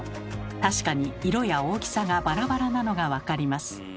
確かに色や大きさがバラバラなのが分かります。